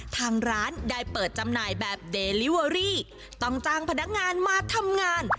ทางร้านได้เปิดจำหน่ายแบบเดลิเวอรี่ต้องจ้างพนักงานมาทำงาน